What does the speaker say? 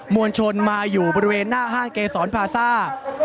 วลชนมาอยู่บริเวณหน้าห้างเกษรพาซ่า